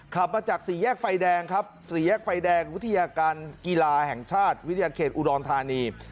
ขับมาจากสี่แยกไฟแดงครับสี่แยกไฟแดงวิทยาการกีฬาแห่งชาติวิทยาเขตอุดรธานี